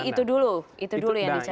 jadi itu dulu itu dulu yang dicari